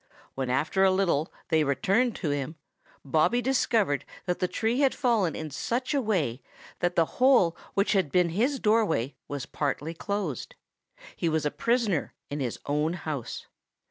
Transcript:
When after a little they returned to him, Bobby discovered that the tree had fallen in such a way that the hole which had been his doorway was partly closed. He was a prisoner in his own house.